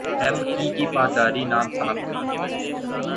ہے مکیں کی پا داری نام صاحب خانہ